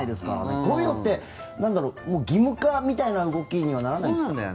こういうのって義務化みたいな動きにはならないんですか？